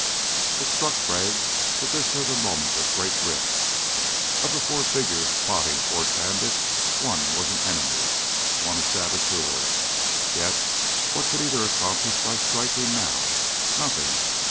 It struck Crag that this was a moment of great risk. Of the four figures plodding toward Bandit, one was an enemy ... one a saboteur. Yet, what could either accomplish by striking now? Nothing!